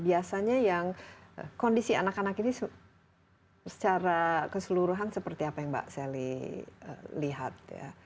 biasanya yang kondisi anak anak ini secara keseluruhan seperti apa yang mbak sally lihat ya